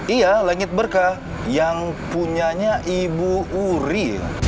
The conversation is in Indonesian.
iya langit berkah yang punyanya ibu uri